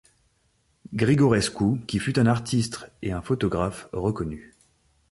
Grigorescu qui fut un artiste et un photographe reconnu.